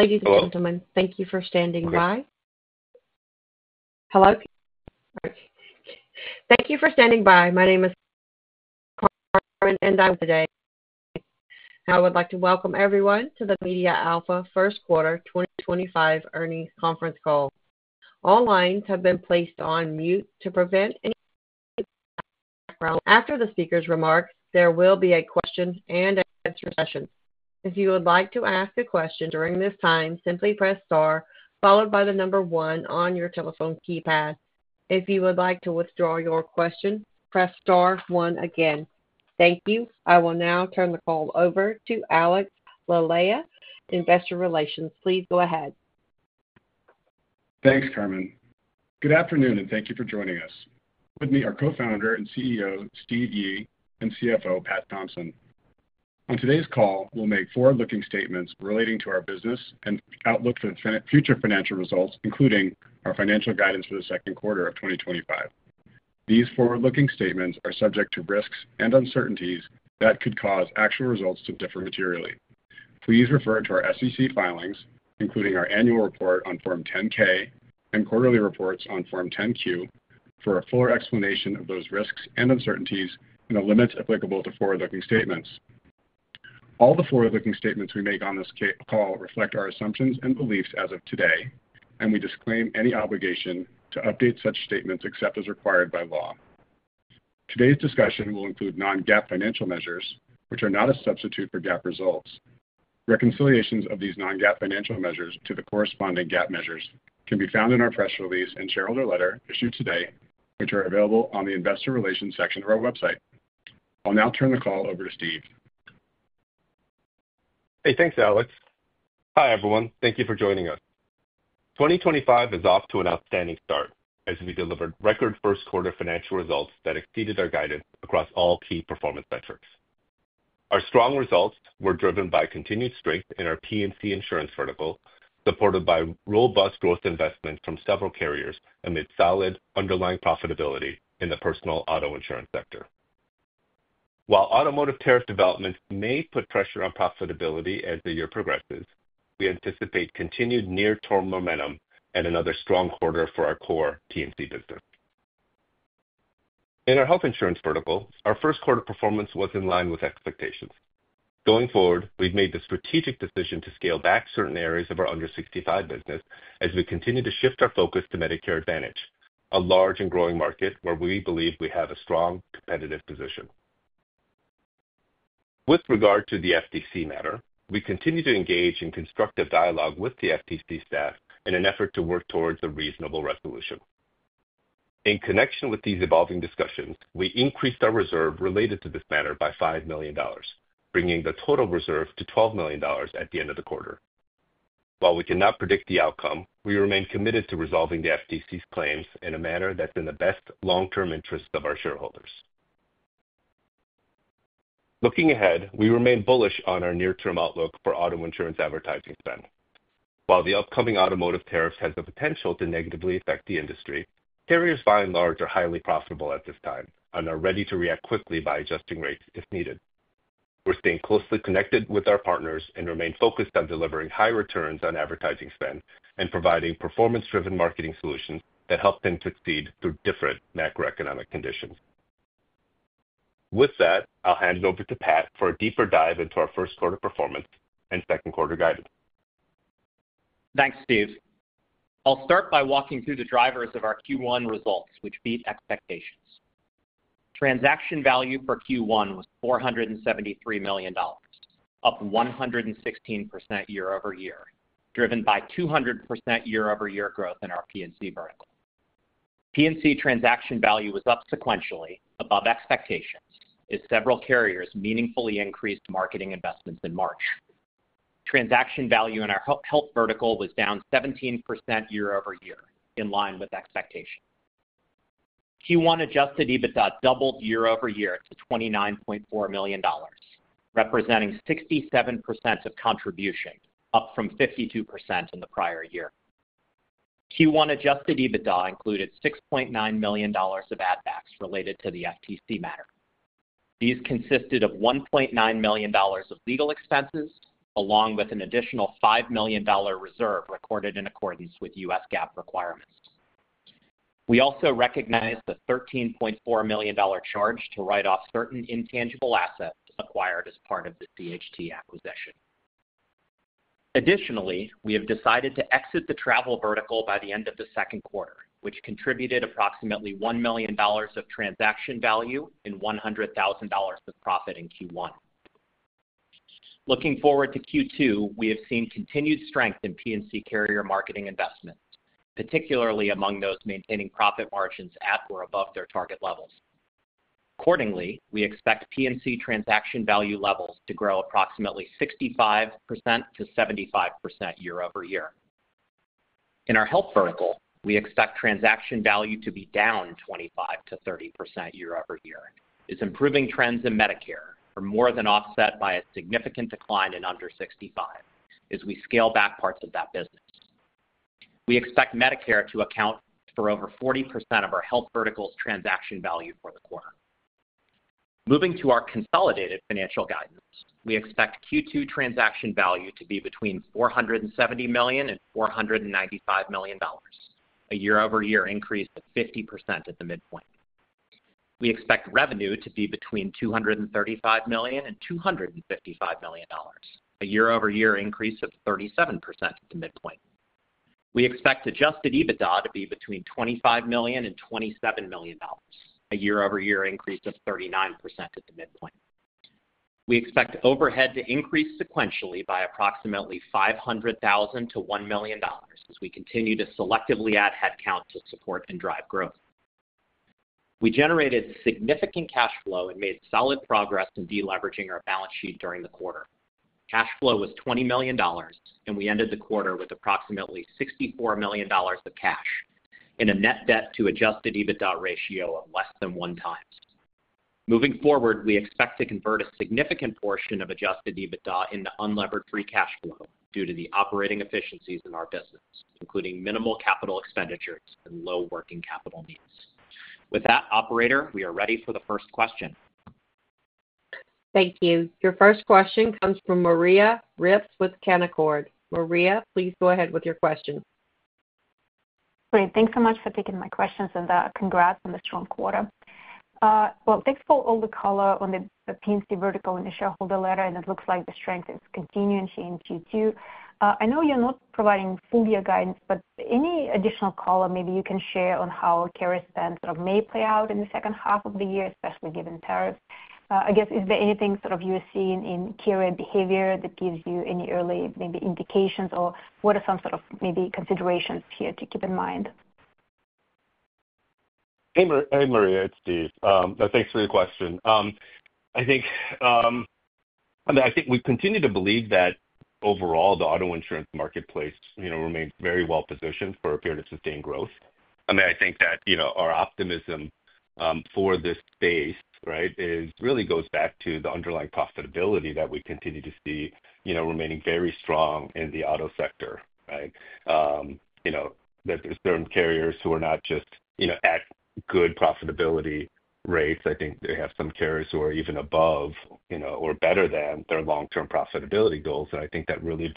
Ladies and gentlemen, thank you for standing by. Hello? Thank you for standing by. My name is Carmen, and I am today. I would like to welcome everyone to the MediaAlpha First Quarter 2025 Earnings Conference Call. All lines have been placed on mute to prevent any. After the speaker's remarks, there will be a question and answer session. If you would like to ask a question during this time, simply press star, followed by the number one on your telephone keypad. If you would like to withdraw your question, press star one again. Thank you. I will now turn the call over to Alex Liloia, Investor Relations. Please go ahead. Thanks, Carmen. Good afternoon, and thank you for joining us. With me are Co-Founder and CEO Steve Yi and CFO Pat Thompson. On today's call, we'll make forward-looking statements relating to our business and outlook for future financial results, including our financial guidance for the second quarter of 2025. These forward-looking statements are subject to risks and uncertainties that could cause actual results to differ materially. Please refer to our SEC filings, including our Annual Report on Form 10-K and Quarterly Reports on Form 10-Q, for a fuller explanation of those risks and uncertainties and the limits applicable to forward-looking statements. All the forward-looking statements we make on this call reflect our assumptions and beliefs as of today, and we disclaim any obligation to update such statements except as required by law. Today's discussion will include non-GAAP financial measures, which are not a substitute for GAAP results. Reconciliations of these non-GAAP financial measures to the corresponding GAAP measures can be found in our press release and shareholder letter issued today, which are available on the Investor Relations section of our website. I'll now turn the call over to Steve. Thanks, Alex. Hi, everyone. Thank you for joining us. 2025 is off to an outstanding start as we delivered record first-quarter financial results that exceeded our guidance across all key performance metrics. Our strong results were driven by continued strength in our P&C insurance vertical, supported by robust growth investment from several carriers amid solid underlying profitability in the personal auto insurance sector. While automotive tariff developments may put pressure on profitability as the year progresses, we anticipate continued near-term momentum and another strong quarter for our core P&C business. In our health insurance vertical, our first-quarter performance was in line with expectations. Going forward, we've made the strategic decision to scale back certain areas of our under-65 business as we continue to shift our focus to Medicare Advantage, a large and growing market where we believe we have a strong competitive position. With regard to the FTC matter, we continue to engage in constructive dialogue with the FTC staff in an effort to work towards a reasonable resolution. In connection with these evolving discussions, we increased our reserve related to this matter by $5 million, bringing the total reserve to $12 million at the end of the quarter. While we cannot predict the outcome, we remain committed to resolving the FTC's claims in a manner that's in the best long-term interests of our shareholders. Looking ahead, we remain bullish on our near-term outlook for auto insurance advertising spend. While the upcoming automotive tariffs have the potential to negatively affect the industry, carriers by and large are highly profitable at this time and are ready to react quickly by adjusting rates if needed. We're staying closely connected with our partners and remain focused on delivering high returns on advertising spend and providing performance-driven marketing solutions that help them succeed through different macroeconomic conditions. With that, I'll hand it over to Pat for a deeper dive into our first-quarter performance and second-quarter guidance. Thanks, Steve. I'll start by walking through the drivers of our Q1 results, which beat expectations. Transaction value for Q1 was $473 million, up 116% year-over-year, driven by 200% year-over-year growth in our P&C vertical. P&C transaction value was up sequentially above expectations as several carriers meaningfully increased marketing investments in March. Transaction value in our health vertical was down 17% year-over-year, in line with expectations. Q1 adjusted EBITDA doubled year-over-year to $29.4 million, representing 67% of contribution, up from 52% in the prior year. Q1 adjusted EBITDA included $6.9 million of add-backs related to the FTC matter. These consisted of $1.9 million of legal expenses, along with an additional $5 million reserve recorded in accordance with U.S. GAAP requirements. We also recognized the $13.4 million charge to write off certain intangible assets acquired as part of the CHT acquisition. Additionally, we have decided to exit the travel vertical by the end of the second quarter, which contributed approximately $1 million of transaction value and $100,000 of profit in Q1. Looking forward to Q2, we have seen continued strength in P&C carrier marketing investments, particularly among those maintaining profit margins at or above their target levels. Accordingly, we expect P&C transaction value levels to grow approximately 65%-75% year-over-year. In our health vertical, we expect transaction value to be down 25%-30% year-over-year, as improving trends in Medicare are more than offset by a significant decline in under-65 as we scale back parts of that business. We expect Medicare to account for over 40% of our health vertical's transaction value for the quarter. Moving to our consolidated financial guidance, we expect Q2 transaction value to be between $470 million and $495 million, a year-over-year increase of 50% at the midpoint. We expect revenue to be between $235 million and $255 million, a year-over-year increase of 37% at the midpoint. We expect adjusted EBITDA to be between $25 million and $27 million, a year-over-year increase of 39% at the midpoint. We expect overhead to increase sequentially by approximately $500,000-$1 million as we continue to selectively add headcount to support and drive growth. We generated significant cash flow and made solid progress in deleveraging our balance sheet during the quarter. Cash flow was $20 million, and we ended the quarter with approximately $64 million of cash and a net debt-to-adjusted EBITDA ratio of less than one times. Moving forward, we expect to convert a significant portion of adjusted EBITDA into unleveraged free cash flow due to the operating efficiencies in our business, including minimal capital expenditures and low working capital needs. With that, operator, we are ready for the first question. Thank you. Your first question comes from Maria Ripps with Canaccord. Maria, please go ahead with your question. Great. Thanks so much for taking my questions, and congrats on the strong quarter. Thanks for all the color on the P&C vertical in the shareholder letter, and it looks like the strength is continuing to change Q2. I know you're not providing full year guidance, but any additional color maybe you can share on how carrier spend may play out in the second half of the year, especially given tariffs. I guess, is there anything you're seeing in carrier behavior that gives you any early indications, or what are some considerations here to keep in mind? Maria. It's Steve. Thanks for your question. I think we continue to believe that overall, the auto insurance marketplace remains very well positioned for a period of sustained growth. I think that our optimism for this phase really goes back to the underlying profitability that we continue to see remaining very strong in the auto sector. There are certain carriers who are not just at good profitability rates. I think they have some carriers who are even above or better than their long-term profitability goals. I think that really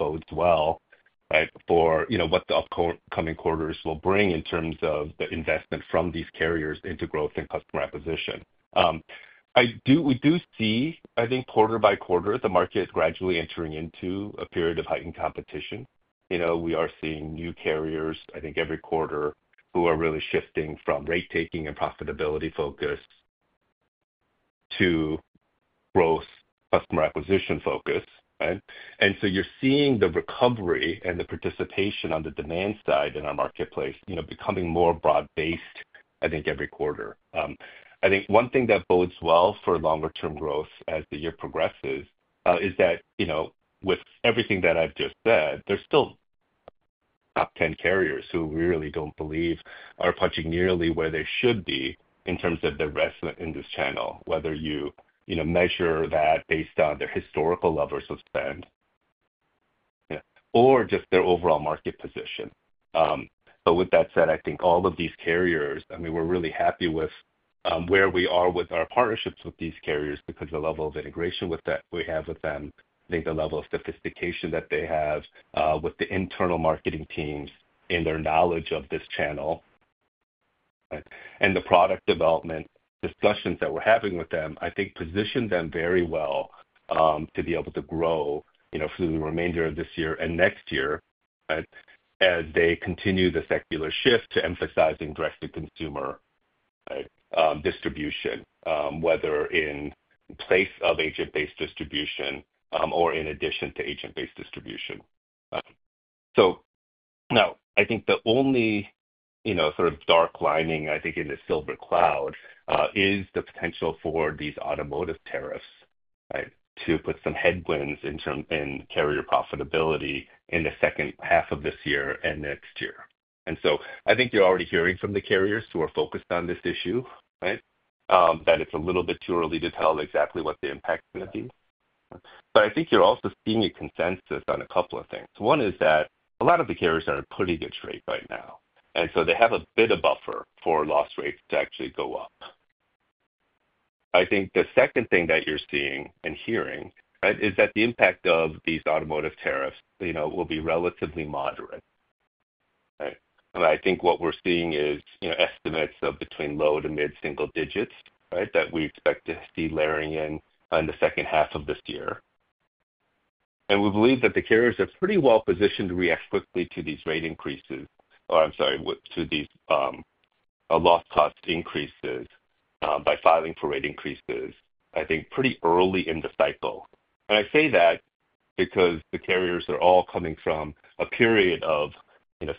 bodes well for what the upcoming quarters will bring in terms of the investment from these carriers into growth and customer acquisition. We do see quarter by quarter, the market gradually entering into a period of heightened competition. We are seeing new carriers every quarter who are really shifting from rate-taking and profitability focus to growth customer acquisition focus. You are seeing the recovery and the participation on the demand side in our marketplace becoming more broad-based every quarter. I think one thing that bodes well for longer-term growth as the year progresses is that with everything that I have just said, there are still top 10 carriers who we really do not believe are punching nearly where they should be in terms of the rest in this channel, whether you measure that based on their historical levels of spend or just their overall market position. With that said, I think all of these carriers, I mean, we are really happy with where we are with our partnerships with these carriers because of the level of integration we have with them. I think the level of sophistication that they have with the internal marketing teams and their knowledge of this channel and the product development discussions that we're having with them position them very well to be able to grow through the remainder of this year and next year as they continue the secular shift to emphasizing direct-to-consumer distribution, whether in place of agent-based distribution or in addition to agent-based distribution. I think the only sort of dark lining in the silver cloud is the potential for these automotive tariffs to put some headwinds in carrier profitability in the second half of this year and next year. I think you're already hearing from the carriers who are focused on this issue that it's a little bit too early to tell exactly what the impact is going to be. I think you're also seeing a consensus on a couple of things. One is that a lot of the carriers are in a pretty good shape right now, and so they have a bit of buffer for loss rates to actually go up. I think the second thing that you're seeing and hearing is that the impact of these automotive tariffs will be relatively moderate. I think what we're seeing is estimates of between low to mid-single digits that we expect to see layering in in the second half of this year. We believe that the carriers are pretty well positioned to react quickly to these rate increases or, I'm sorry, to these loss cost increases by filing for rate increases pretty early in the cycle. I say that because the carriers are all coming from a period of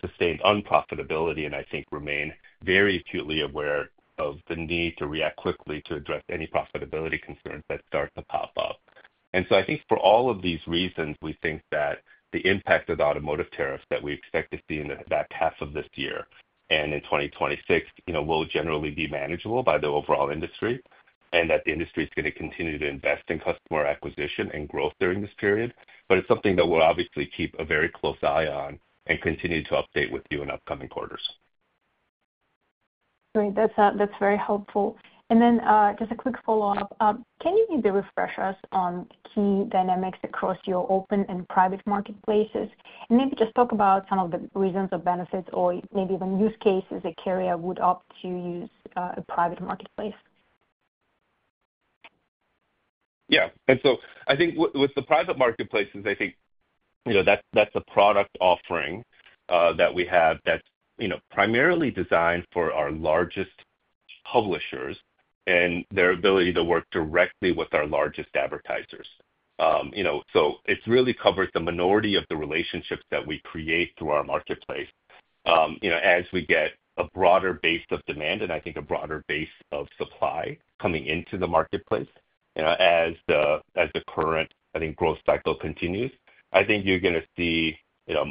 sustained unprofitability and remain very acutely aware of the need to react quickly to address any profitability concerns that start to pop up. I think for all of these reasons, we think that the impact of the automotive tariffs that we expect to see in the back half of this year and in 2026 will generally be manageable by the overall industry and that the industry is going to continue to invest in customer acquisition and growth during this period. It is something that we will obviously keep a very close eye on and continue to update with you in upcoming quarters. Great. That is very helpful. Just a quick follow-up. Can you maybe refresh us on key dynamics across your open and private marketplaces? Maybe just talk about some of the reasons or benefits or maybe even use cases a carrier would opt to use a private marketplace. I think with the private marketplaces, I think that's a product offering that we have that's primarily designed for our largest publishers and their ability to work directly with our largest advertisers. It really covers the minority of the relationships that we create through our marketplace as we get a broader base of demand and a broader base of supply coming into the marketplace as the current growth cycle continues. I think you're going to see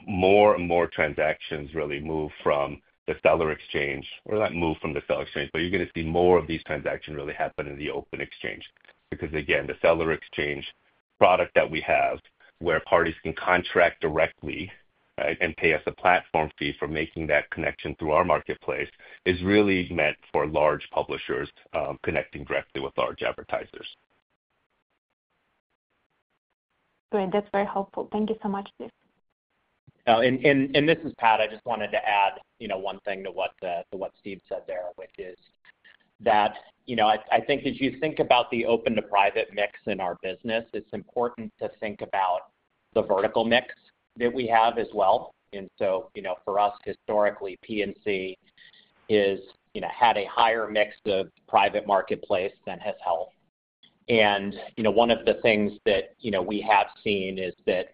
more and more transactions really move from the seller exchange or not move from the seller exchange, but you're going to see more of these transactions really happen in the open exchange because, again, the seller exchange product that we have where parties can contract directly and pay us a platform fee for making that connection through our marketplace is really meant for large publishers connecting directly with large advertisers. Great. That's very helpful. Thank you so much, Steve. This is Pat. I just wanted to add one thing to what Steve said there, which is that I think as you think about the open-to-private mix in our business, it's important to think about the vertical mix that we have as well. For us, historically, P&C has had a higher mix of private marketplace than has health. One of the things that we have seen is that,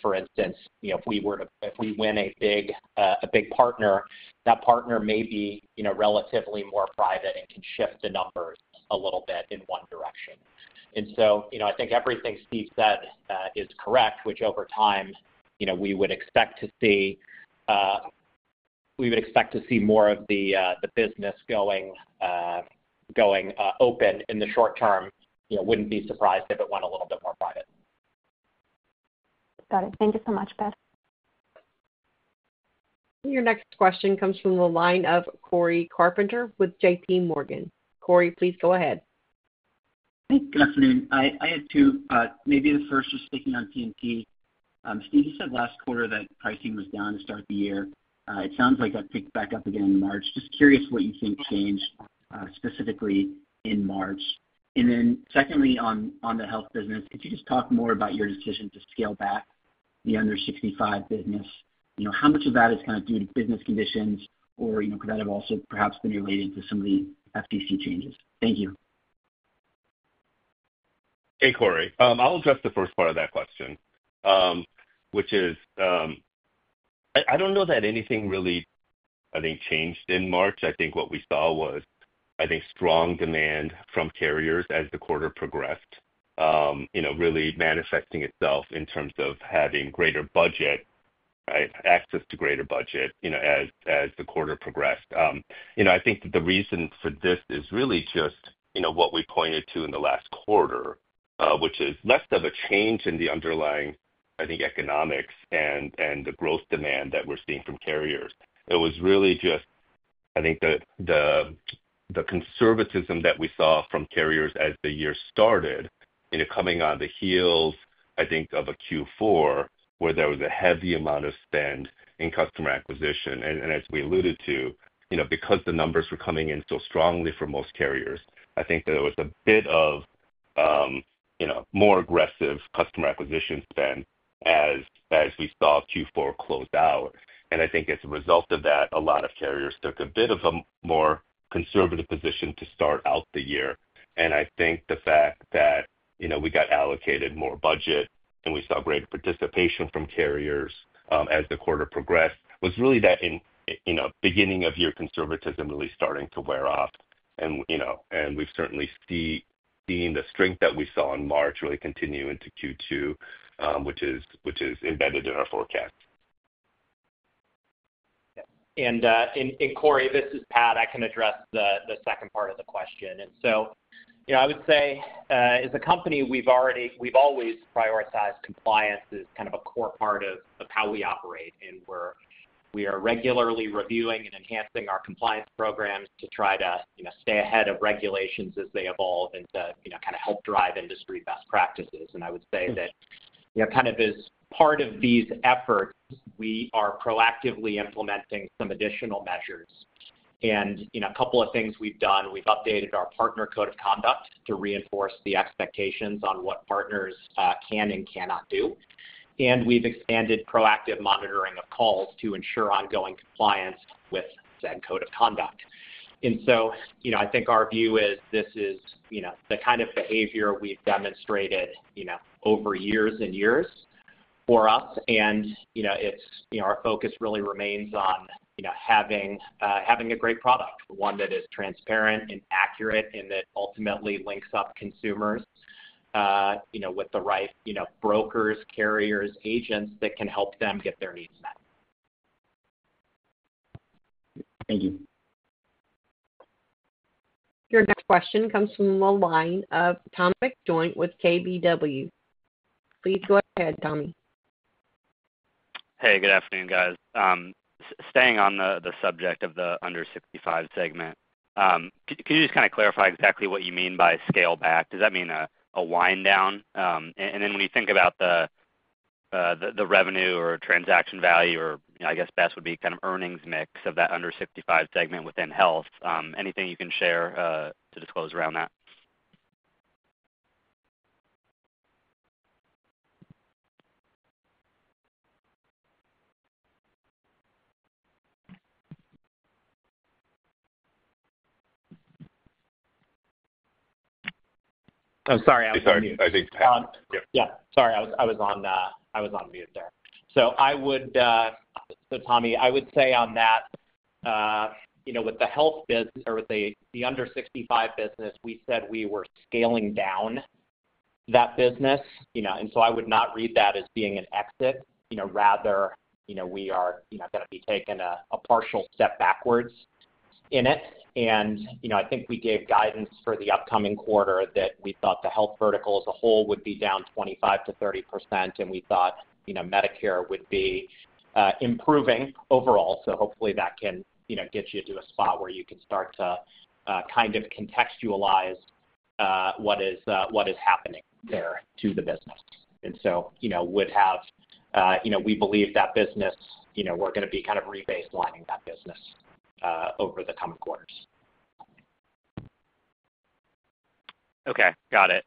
for instance, if we win a big partner, that partner may be relatively more private and can shift the numbers a little bit in one direction. I think everything Steve said is correct, which over time, we would expect to see more of the business going open. In the short term, I wouldn't be surprised if it went a little bit more private. Got it. Thank you so much, Pat. Your next question comes from the line of Cory Carpenter with JPMorgan. Cory, please go ahead. Hi. Good afternoon. I had two. Maybe the first, just thinking on P&C. Steve, you said last quarter that pricing was down to start the year. It sounds like that picked back up again in March. Just curious what you think changed specifically in March. Secondly, on the health business, could you just talk more about your decision to scale back the under-65 business? How much of that is kind of due to business conditions, or could that have also perhaps been related to some of the FTC changes? Thank you. Hey, Cory. I'll address the first part of that question, which is I don't know that anything really changed in March. I think what we saw was strong demand from carriers as the quarter progressed, really manifesting itself in terms of having greater budget, access to greater budget as the quarter progressed. I think that the reason for this is really just what we pointed to in the last quarter, which is less of a change in the underlying economics and the growth demand that we're seeing from carriers. It was really just the conservatism that we saw from carriers as the year started, coming on the heels of a Q4 where there was a heavy amount of spend in customer acquisition. As we alluded to, because the numbers were coming in so strongly for most carriers, I think there was a bit of more aggressive customer acquisition spend as we saw Q4 close out. I think as a result of that, a lot of carriers took a bit of a more conservative position to start out the year. I think the fact that we got allocated more budget and we saw greater participation from carriers as the quarter progressed was really that beginning of year conservatism really starting to wear off. We have certainly seen the strength that we saw in March really continue into Q2, which is embedded in our forecast. Cory, this is Pat. I can address the second part of the question. I would say, as a company, we've always prioritized compliance as kind of a core part of how we operate. We are regularly reviewing and enhancing our compliance programs to try to stay ahead of regulations as they evolve and to kind of help drive industry best practices. I would say that kind of as part of these efforts, we are proactively implementing some additional measures. A couple of things we've done. We've updated our Partner Code of Conduct to reinforce the expectations on what partners can and cannot do. We've expanded proactive monitoring of calls to ensure ongoing compliance with said code of conduct. I think our view is this is the kind of behavior we've demonstrated over years and years for us. Our focus really remains on having a great product, one that is transparent and accurate and that ultimately links up consumers with the right brokers, carriers, agents that can help them get their needs met. Thank you. Your next question comes from the line of Tom McJoynt with KBW. Please go ahead, Tommy. Hey, good afternoon, guys. Staying on the subject of the under-65 segment, could you just kind of clarify exactly what you mean by scale back? Does that mean a wind down? When you think about the revenue or transaction value, or I guess best would be kind of earnings mix of that under-65 segment within health, anything you can share to disclose around that? I'm sorry. I think Pat. Sorry. I was on mute there. Tommy, I would say on that, with the health business or with the under-65 business, we said we were scaling down that business. I would not read that as being an exit. Rather, we are going to be taking a partial step backwards in it. I think we gave guidance for the upcoming quarter that we thought the health vertical as a whole would be down 25%-30%, and we thought Medicare would be improving overall. Hopefully, that can get you to a spot where you can start to kind of contextualize what is happening there to the business. We believe that business, we are going to be kind of rebaselining that business over the coming quarters. Got it.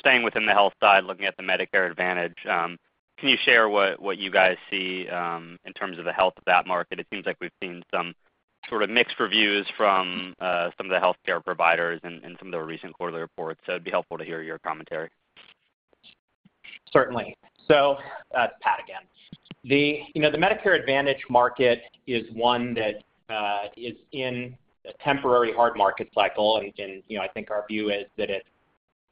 Staying within the health side, looking at the Medicare Advantage, can you share what you guys see in terms of the health of that market? It seems like we've seen some sort of mixed reviews from some of the healthcare providers in some of the recent quarterly reports. It would be helpful to hear your commentary. Certainly. It's Pat again. The Medicare Advantage market is one that is in a temporary hard market cycle. I think our view is that it's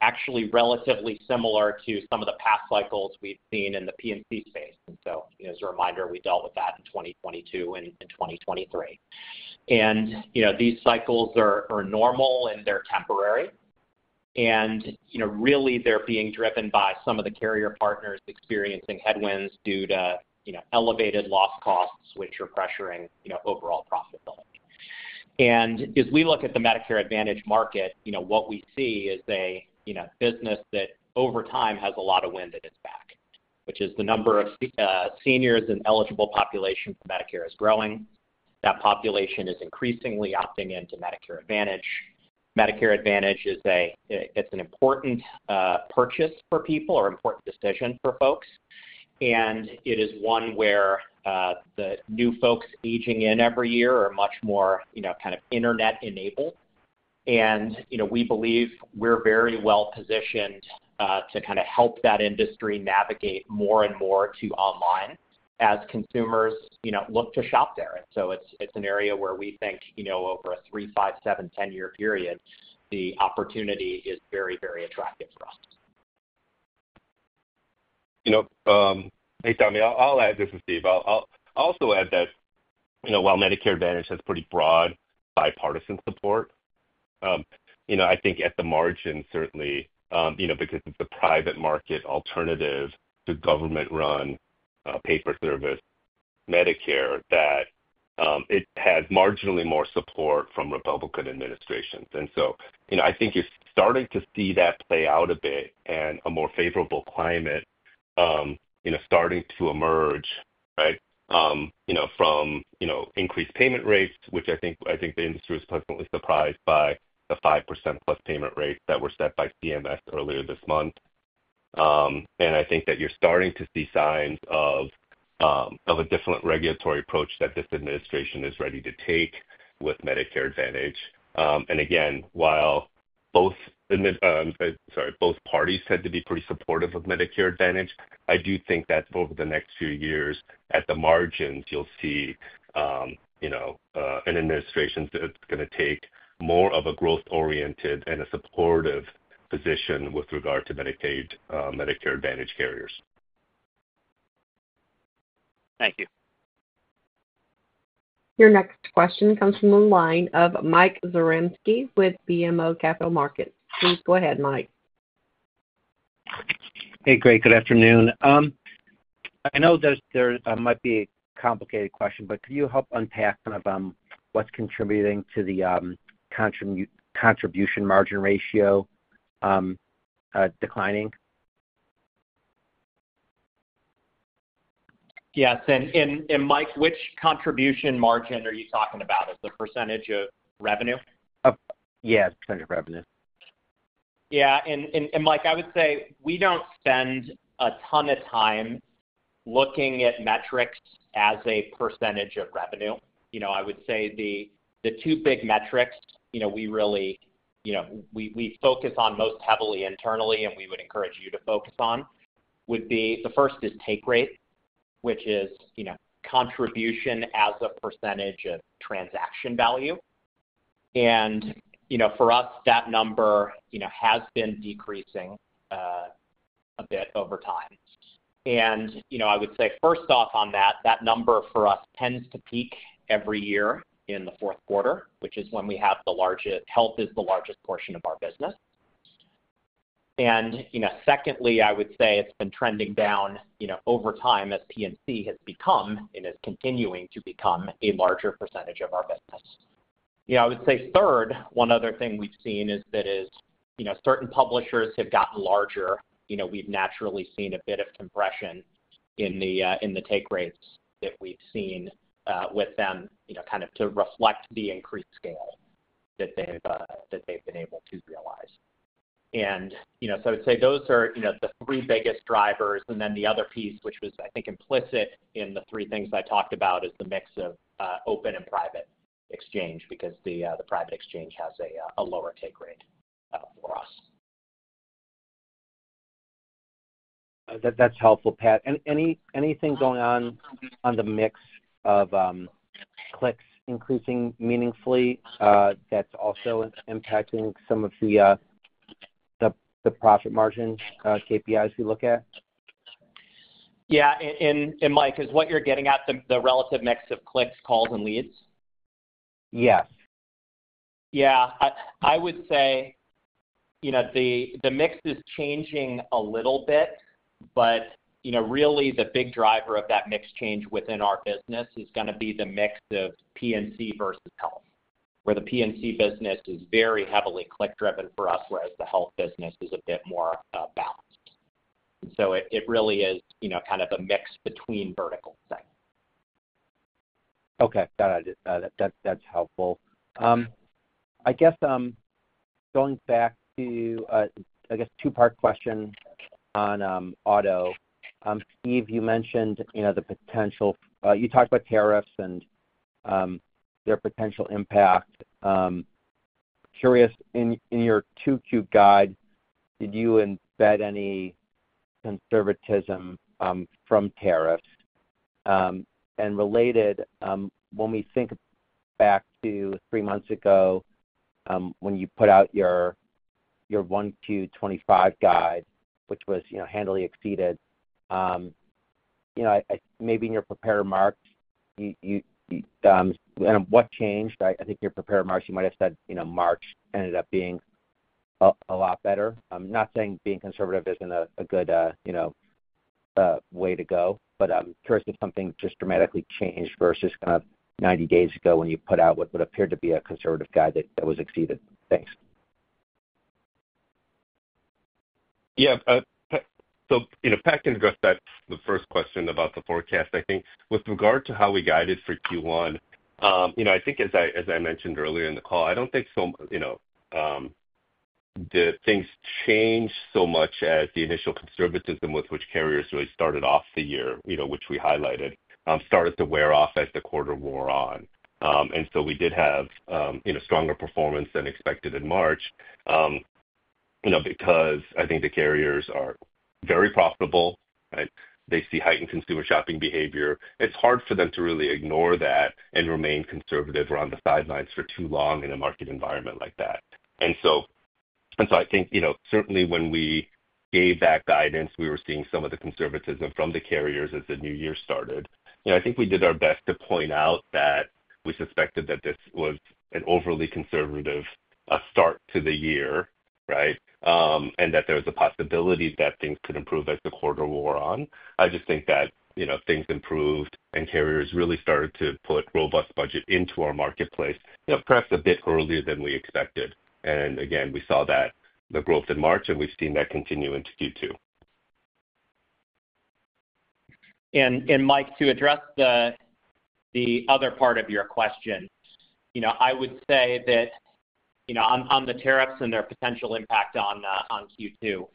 actually relatively similar to some of the past cycles we've seen in the P&C space. As a reminder, we dealt with that in 2022 and 2023. These cycles are normal, and they're temporary. Really, they're being driven by some of the carrier partners experiencing headwinds due to elevated loss costs, which are pressuring overall profitability. As we look at the Medicare Advantage market, what we see is a business that over time has a lot of wind at its back, which is the number of seniors and eligible population for Medicare is growing. That population is increasingly opting into Medicare Advantage. Medicare Advantage is an important purchase for people or important decision for folks. It is one where the new folks aging in every year are much more kind of internet-enabled. We believe we're very well positioned to kind of help that industry navigate more and more to online as consumers look to shop there. It is an area where we think over a 3, 5, 7, 10-year period, the opportunity is very, very attractive for us. Tommy. I'll add. This is Steve. I'll also add that while Medicare Advantage has pretty broad bipartisan support, I think at the margin, certainly, because it's a private market alternative to government-run paper service Medicare, that it has marginally more support from Republican administrations. I think you're starting to see that play out a bit and a more favorable climate starting to emerge from increased payment rates, which I think the industry was pleasantly surprised by the 5%+ payment rate that were set by CMS earlier this month. I think that you're starting to see signs of a different regulatory approach that this administration is ready to take with Medicare Advantage. Again, while both parties tend to be pretty supportive of Medicare Advantage, I do think that over the next few years, at the margins, you'll see an administration that's going to take more of a growth-oriented and a supportive position with regard to Medicare Advantage carriers. Thank you. Your next question comes from the line of Mike Zaremski with BMO Capital Markets. Please go ahead, Mike. Great. Good afternoon. I know that might be a complicated question, but could you help unpack kind of what's contributing to the Contribution Margin Ratio declining? Mike, which Contribution Margin are you talking about? Is it percentage of revenue? Yeah, percentage of revenue. Mike, I would say we don't spend a ton of time looking at metrics as a percentage of revenue. I would say the two big metrics we really focus on most heavily internally and we would encourage you to focus on would be the first is take rate, which is contribution as a percentage of transaction value. For us, that number has been decreasing a bit over time. I would say, first off on that, that number for us tends to peak every year in the fourth quarter, which is when health is the largest portion of our business. Secondly, I would say it's been trending down over time as P&C has become and is continuing to become a larger percentage of our business. I would say third, one other thing we've seen is that certain publishers have gotten larger. We've naturally seen a bit of compression in the take rates that we've seen with them kind of to reflect the increased scale that they've been able to realize. I would say those are the three biggest drivers. The other piece, which was implicit in the three things I talked about, is the mix of open and private exchange because the private exchange has a lower take rate for us. That's helpful, Pat. Anything going on on the mix of clicks increasing meaningfully that's also impacting some of the profit margin KPIs we look at? Mike, is what you're getting at the relative mix of clicks, calls, and leads? Yes. I would say the mix is changing a little bit, but really, the big driver of that mix change within our business is going to be the mix of P&C versus health, where the P&C business is very heavily click-driven for us, whereas the health business is a bit more balanced. It really is kind of a mix between verticals. Got it. That's helpful. Two-part question on auto. Steve, you mentioned the potential, you talked about tariffs and their potential impact. Curious, in your Q2 guide, did you embed any conservatism from tariffs? And related, when we think back to three months ago when you put out your Q1 2025 guide, which was handily exceeded, maybe in your prepared marks, what changed? I think in your prepared marks, you might have said March ended up being a lot better. I'm not saying being conservative isn't a good way to go, but I'm curious if something just dramatically changed versus kind of 90 days ago when you put out what appeared to be a conservative guide that was exceeded. Thanks. Pat can address that first question about the forecast. With regard to how we guided for q1 as I mentioned earlier in the call, I do not think things changed so much as the initial conservatism with which carriers really started off the year, which we highlighted, started to wear off as the quarter wore on. We did have stronger performance than expected in March because I think the carriers are very profitable. They see heightened consumer shopping behavior. It is hard for them to really ignore that and remain conservative around the sidelines for too long in a market environment like that. Certainly when we gave that guidance, we were seeing some of the conservatism from the carriers as the new year started. We did our best to point out that we suspected that this was an overly conservative start to the year, right, and that there was a possibility that things could improve as the quarter wore on. I just think that things improved and carriers really started to put robust budget into our marketplace, perhaps a bit earlier than we expected. Again, we saw that growth in March, and we've seen that continue into Q2. Mike, to address the other part of your question, I would say that on the tariffs and their potential impact on Q2,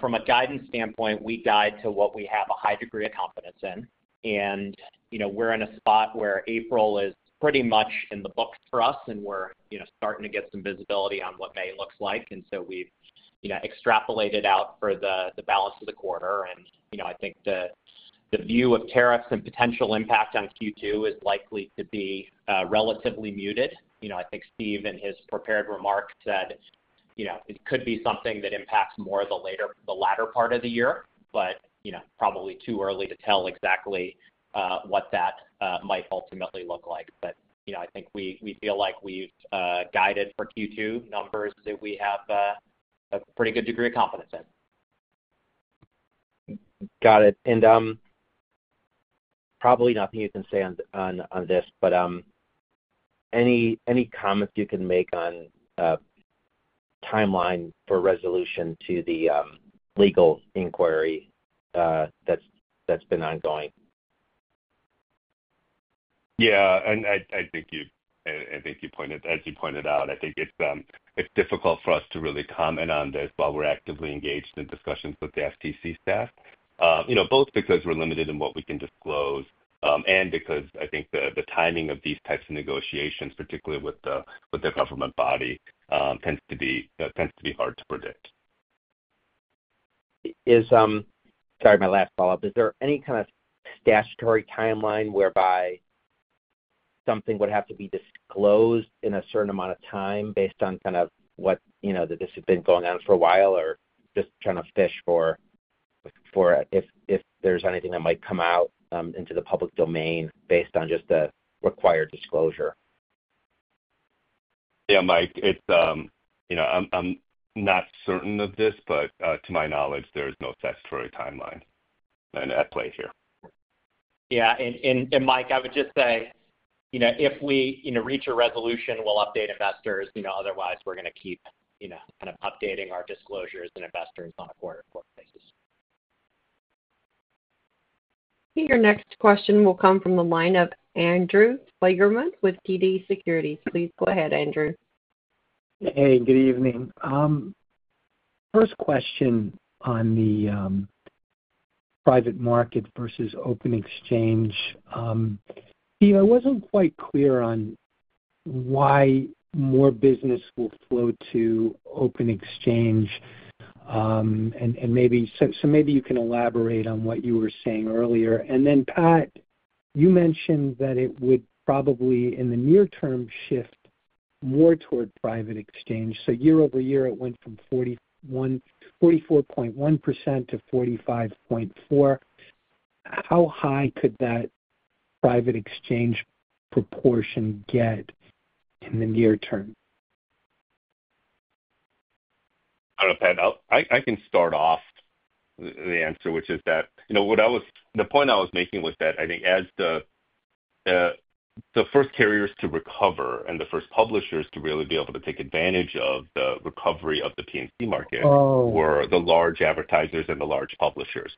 from a guidance standpoint, we guide to what we have a high degree of confidence in. We are in a spot where April is pretty much in the books for us, and we are starting to get some visibility on what May looks like. We have extrapolated out for the balance of the quarter. I think the view of tariffs and potential impact on Q2 is likely to be relatively muted. I think Steve in his prepared remark said it could be something that impacts more the latter part of the year, but probably too early to tell exactly what that might ultimately look like. I think we feel like we've guided for Q2 numbers that we have a pretty good degree of confidence in. Got it. Probably nothing you can say on this, but any comments you can make on timeline for resolution to the legal inquiry that's been ongoing? As you pointed out, it's difficult for us to really comment on this while we're actively engaged in discussions with the FTC staff, both because we're limited in what we can disclose and because the timing of these types of negotiations, particularly with a government body, tends to be hard to predict. Sorry, my last follow-up. Is there any kind of statutory timeline whereby something would have to be disclosed in a certain amount of time based on what this has been going on for a while or just trying to fish for if there's anything that might come out into the public domain based on just the required disclosure? Mike, I'm not certain of this, but to my knowledge, there is no statutory timeline at play here. Mike, I would just say if we reach a resolution, we'll update investors. Otherwise, we're going to keep updating our disclosures and investors on a quarter-to-quarter basis. Your next question will come from the line of Andrew Kligerman with TD Securities. Please go ahead, Andrew. Good evening. First question on the private market versus open exchange. Steve, I wasn't quite clear on why more business will flow to open exchange. Maybe you can elaborate on what you were saying earlier. Pat, you mentioned that it would probably in the near term shift more toward private exchange. Year over year, it went from 44.1% to 45.4%. How high could that private exchange proportion get in the near term? I don't know, Pat. I can start off the answer, which is that the point I was making was that I think as the first carriers to recover and the first publishers to really be able to take advantage of the recovery of the P&C market were the large advertisers and the large publishers.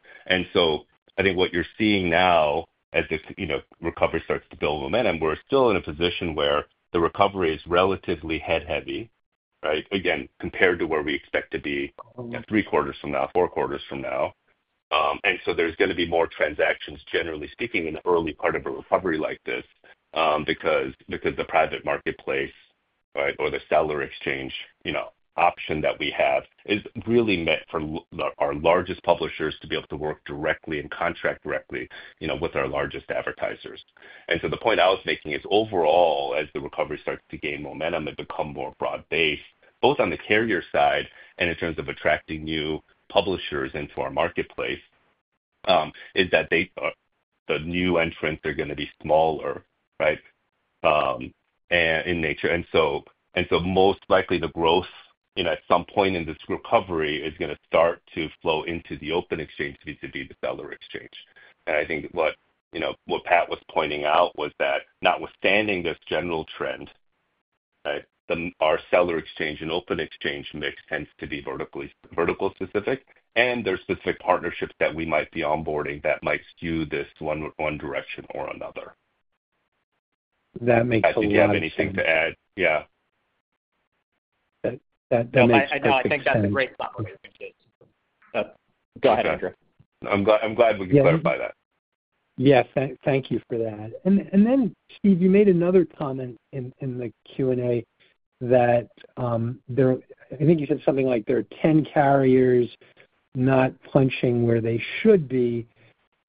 What you're seeing now as this recovery starts to build momentum, we're still in a position where the recovery is relatively head-heavy, right, again, compared to where we expect to be three quarters from now, four quarters from now. There is going to be more transactions, generally speaking, in the early part of a recovery like this because the private marketplace or the seller exchange option that we have is really meant for our largest publishers to be able to work directly and contract directly with our largest advertisers. The point I was making is overall, as the recovery starts to gain momentum and become more broad-based, both on the carrier side and in terms of attracting new publishers into our marketplace, the new entrants are going to be smaller in nature. Most likely, the growth at some point in this recovery is going to start to flow into the open exchange vis-à-vis the seller exchange. I think what Pat was pointing out was that, notwithstanding this general trend, our seller exchange and open exchange mix tends to be vertical-specific, and there are specific partnerships that we might be onboarding that might skew this one direction or another. That makes a lot of sense. If you have anything to add. That makes perfect sense. I think that's a great summary. Go ahead, Andrew. I'm glad we could clarify that. Yes. Thank you for that. Steve, you made another comment in the Q&A that I think you said something like, "There are 10 carriers not punching where they should be."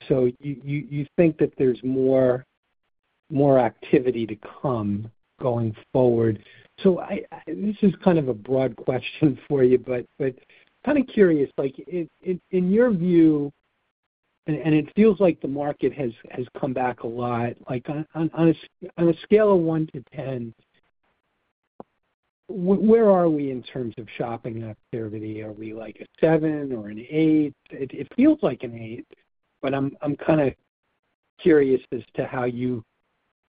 You think that there's more activity to come going forward. This is kind of a broad question for you, but kind of curious, in your view, and it feels like the market has come back a lot, on a scale of 1 to 10, where are we in terms of shopping activity? Are we like a 7 or an 8? It feels like an 8, but I'm kind of curious as to how you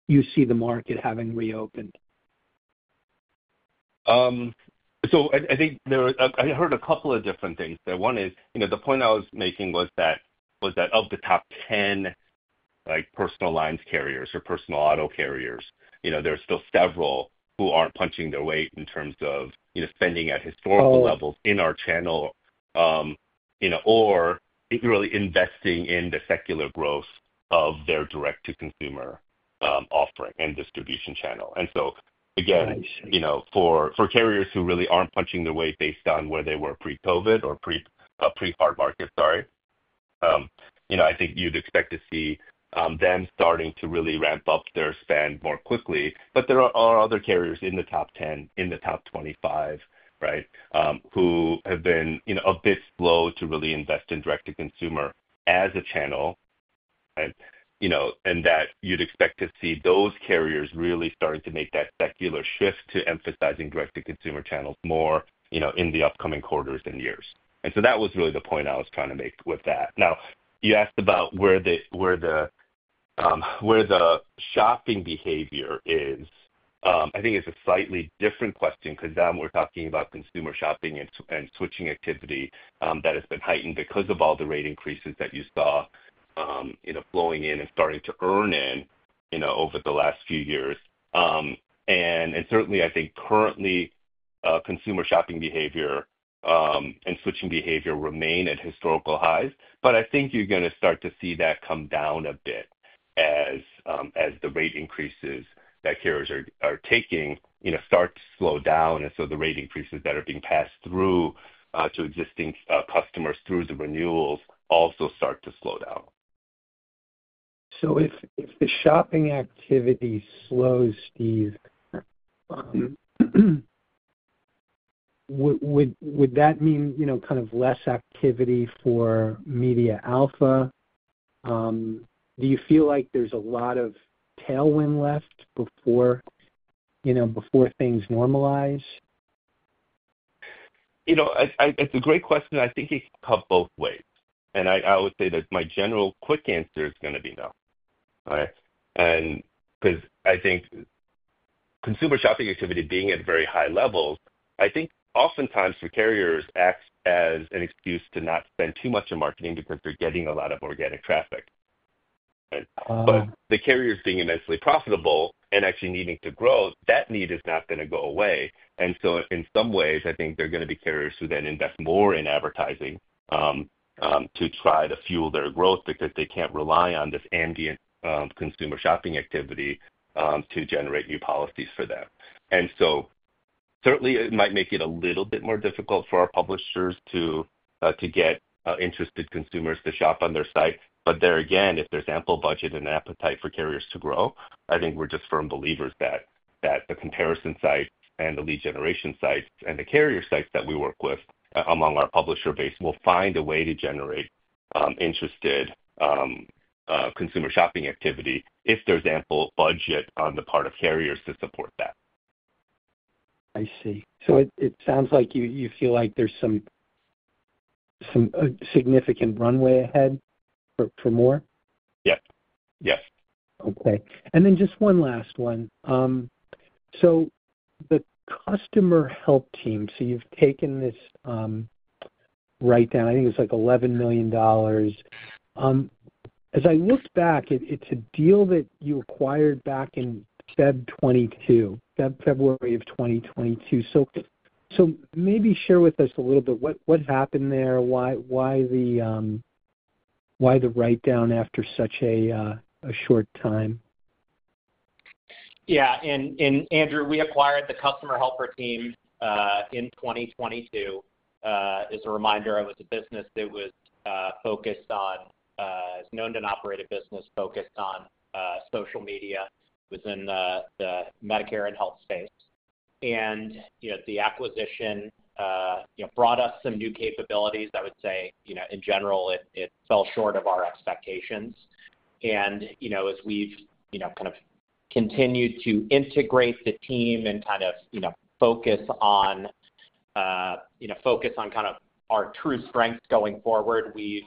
see the market having reopened. I heard a couple of different things. One is the point I was making was that of the top 10 personal lines carriers or personal auto carriers, there are still several who aren't punching their weight in terms of spending at historical levels in our channel or really investing in the secular growth of their direct-to-consumer offering and distribution channel. Again, for carriers who really aren't punching their weight based on where they were pre-COVID or pre-hard market, sorry, I think you'd expect to see them starting to really ramp up their spend more quickly. There are other carriers in the top 10, in the top 25 who have been a bit slow to really invest in direct-to-consumer as a channel, and that you'd expect to see those carriers really starting to make that secular shift to emphasizing direct-to-consumer channels more in the upcoming quarters and years. That was really the point I was trying to make with that. Now, you asked about where the shopping behavior is. I think it's a slightly different question because now we're talking about consumer shopping and switching activity that has been heightened because of all the rate increases that you saw flowing in and starting to earn in over the last few years. Certainly, currently, consumer shopping behavior and switching behavior remain at historical highs. I think you're going to start to see that come down a bit as the rate increases that carriers are taking start to slow down. The rate increases that are being passed through to existing customers through the renewals also start to slow down. If the shopping activity slows, Steve, would that mean kind of less activity for MediaAlpha? Do you feel like there's a lot of tailwind left before things normalize? It's a great question. I think it could come both ways. I would say that my general quick answer is going to be no, right? Because I think consumer shopping activity being at very high levels, oftentimes for carriers acts as an excuse to not spend too much on marketing because they're getting a lot of organic traffic. The carriers being immensely profitable and actually needing to grow, that need is not going to go away. In some ways, there are going to be carriers who then invest more in advertising to try to fuel their growth because they can't rely on this ambient consumer shopping activity to generate new policies for them. Certainly, it might make it a little bit more difficult for our publishers to get interested consumers to shop on their site. But then again, if there's ample budget and appetite for carriers to grow, we're just firm believers that the comparison sites and the lead generation sites and the carrier sites that we work with among our publisher base will find a way to generate interested consumer shopping activity if there's ample budget on the part of carriers to support that. I see. It sounds like you feel like there's some significant runway ahead for more? Yes. Yes. And then just one last one. The Customer Help Team, you have taken this write-down, I think it is like $11 million. As I looked back, it is a deal that you acquired back in February 2022. Maybe share with us a little bit what happened there, why the write-down after such a short time. Andrew, we acquired the Customer Helper Team in 2022. As a reminder, it was a business that was focused on, it's known to operate a business focused on social media. It was in the Medicare and health space. The acquisition brought us some new capabilities. I would say, in general, it fell short of our expectations. As we've kind of continued to integrate the team and focus on our true strengths going forward, we've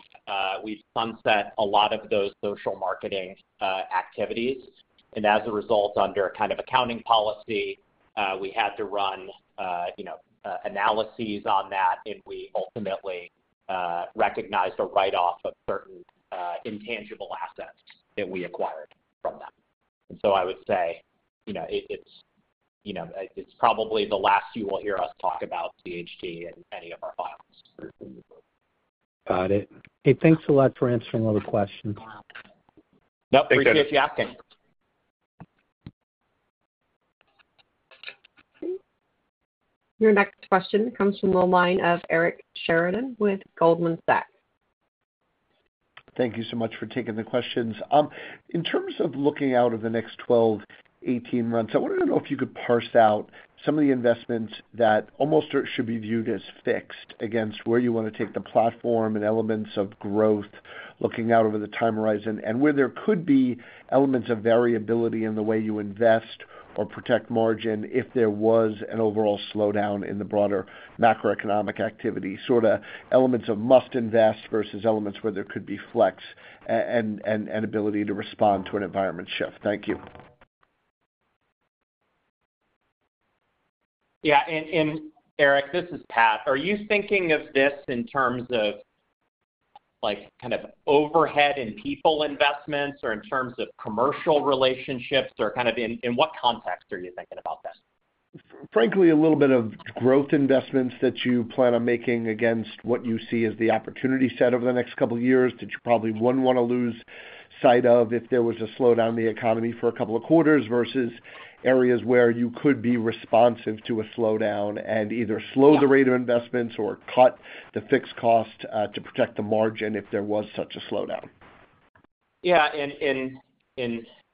sunset a lot of those social marketing activities. As a result, under accounting policy, we had to run analyses on that, and we ultimately recognized a write-off of certain intangible assets that we acquired from them. I would say it's probably the last you will hear us talk about CHT in any of our files. Got it. Thanks a lot for answering all the questions. No. Thank you. Appreciate you asking. Your next question comes from the line of Eric Sheridan with Goldman Sachs. Thank you so much for taking the questions. In terms of looking out over the next 12, 18 months, I wanted to know if you could parse out some of the investments that almost should be viewed as fixed against where you want to take the platform and elements of growth, looking out over the time horizon, and where there could be elements of variability in the way you invest or protect margin if there was an overall slowdown in the broader macroeconomic activity, sort of elements of must invest versus elements where there could be flex and ability to respond to an environment shift. Thank you. Eric, this is Pat. Are you thinking of this in terms of overhead and people investments or in terms of commercial relationships or kind of in what context are you thinking about this? Frankly, a little bit of growth investments that you plan on making against what you see as the opportunity set over the next couple of years that you probably wouldn't want to lose sight of if there was a slowdown in the economy for a couple of quarters versus areas where you could be responsive to a slowdown and either slow the rate of investments or cut the fixed cost to protect the margin if there was such a slowdown.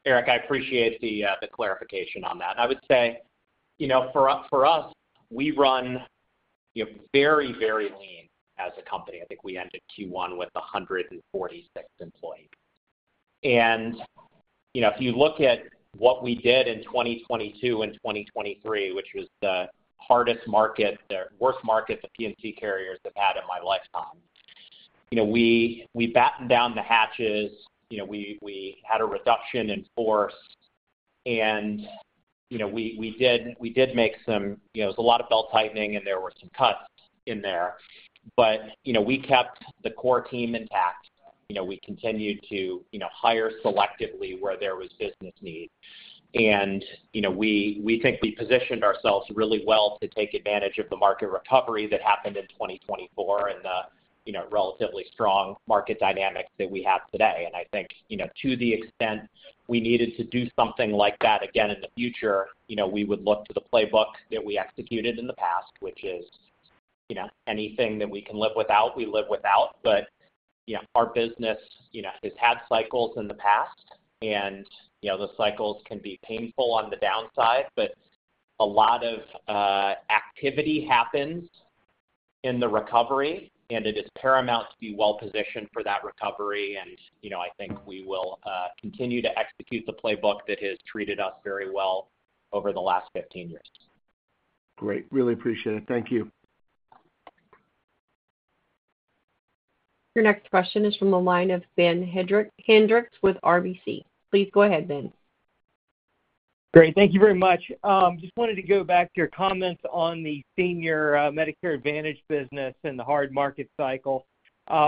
Eric, I appreciate the clarification on that. I would say for us, we run very, very lean as a company. I think we ended Q1 with 146 employees. If you look at what we did in 2022 and 2023, which was the hardest market, the worst market the P&C carriers have had in my lifetime, we battened down the hatches. We had a reduction in force. We did make some, there was a lot of belt tightening, and there were some cuts in there. We kept the core team intact. We continued to hire selectively where there was business need. We think we positioned ourselves really well to take advantage of the market recovery that happened in 2024 and the relatively strong market dynamics that we have today. I think to the extent we needed to do something like that again in the future, we would look to the playbook that we executed in the past, which is anything that we can live without, we live without. Our business has had cycles in the past, and the cycles can be painful on the downside. A lot of activity happens in the recovery, and it is paramount to be well-positioned for that recovery. I think we will continue to execute the playbook that has treated us very well over the last 15 years. Great. Really appreciate it. Thank you. Your next question is from the line of Ben Hendrix with RBC. Please go ahead, Ben. Great. Thank you very much. Just wanted to go back to your comments on the Senior Medicare Advantage business and the hard market cycle.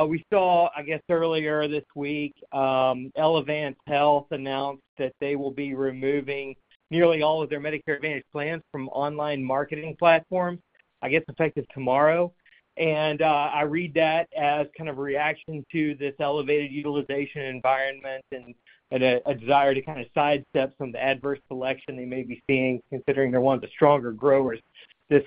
We saw earlier this week, Elevance Health announced that they will be removing nearly all of their Medicare Advantage plans from online marketing platforms effective tomorrow. I read that as kind of a reaction to this elevated utilization environment and a desire to sidestep some of the adverse selection they may be seeing, considering they're one of the stronger growers this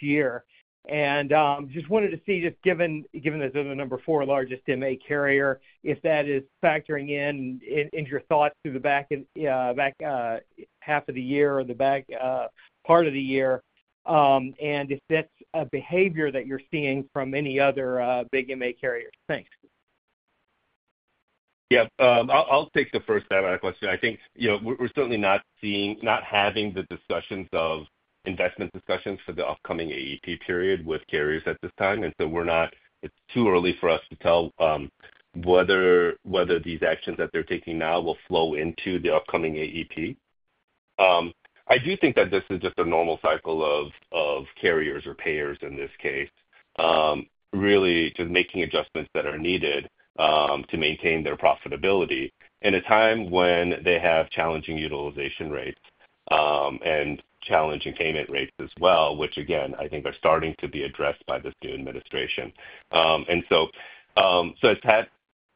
year. Just wanted to see, just given this as the number four largest MA carrier, if that is factoring in your thoughts through the back half of the year or the back part of the year, and if that's a behavior that you're seeing from any other big MA carriers. Thanks. I'll take the first half of that question. I think we're certainly not having the discussions of investment discussions for the upcoming AEP period with carriers at this time. It's too early for us to tell whether these actions that they're taking now will flow into the upcoming AEP. I do think that this is just a normal cycle of carriers or payers in this case, really just making adjustments that are needed to maintain their profitability in a time when they have challenging utilization rates and challenging payment rates as well, which, again, I think are starting to be addressed by this new administration. As Pat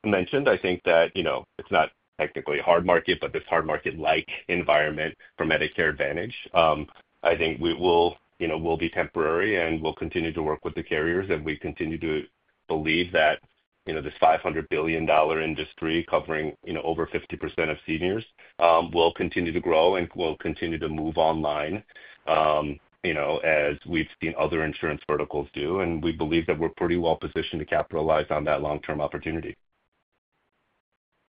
mentioned, I think that it's not technically a hard market, but this hard market-like environment for Medicare Advantage, I think will be temporary, and we'll continue to work with the carriers. We continue to believe that this $500 billion industry covering over 50% of seniors will continue to grow and will continue to move online as we've seen other insurance verticals do. We believe that we're pretty well-positioned to capitalize on that long-term opportunity.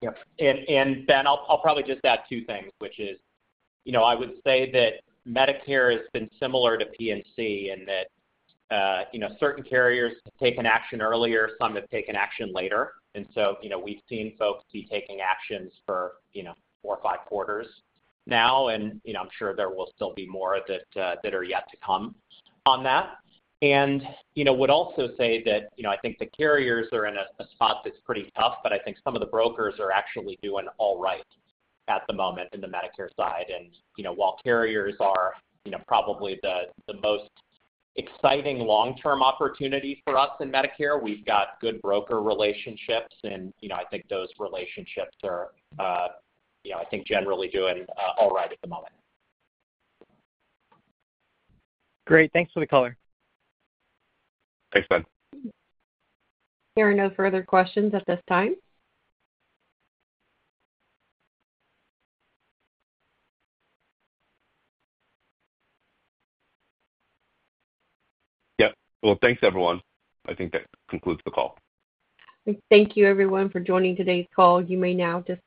Ben, I'll probably just add two things, which is I would say that Medicare has been similar to P&C in that certain carriers have taken action earlier. Some have taken action later. We've seen folks be taking actions for four or five quarters now. I'm sure there will still be more that are yet to come on that. I would also say that I think the carriers are in a spot that's pretty tough, but I think some of the brokers are actually doing all right at the moment in the Medicare side. While carriers are probably the most exciting long-term opportunity for us in Medicare, we've got good broker relationships. I think those relationships are generally doing all right at the moment. Great. Thanks for the color. Thanks, Ben. There are no further questions at this time. Thanks, everyone. I think that concludes the call. Thank you, everyone, for joining today's call. You may now just.